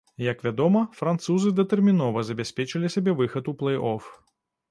Як вядома, французы датэрмінова забяспечылі сабе выхад у плэй-оф.